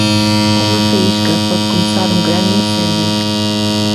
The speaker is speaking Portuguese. Uma faísca pode começar um grande incêndio.